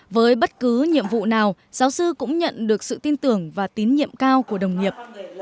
với bất cứ nhiệm vụ nào giáo sư cũng nhận được sự tin tưởng và tín nhiệm cao của đồng nghiệp